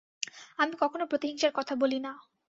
আমি কখনও প্রতিহিংসার কথা বলি না।